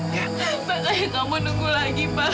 saya mau nunggu lagi pak